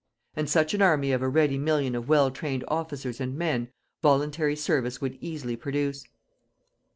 And such an army of a ready million of well trained officers and men, voluntary service would easily produce.